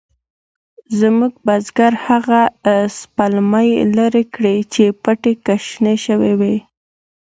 زموږ بزگر هغه سپلمۍ لرې کړې چې پټي کې شنې شوې وې.